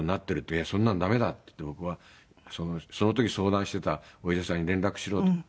「いやそんなのダメだ」って言って僕はその時相談してたお医者さんに連絡しろと。